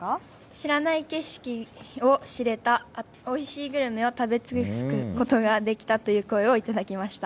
知らない景色を知れた、おいしいグルメを食べ尽くすことができたという声を頂きました。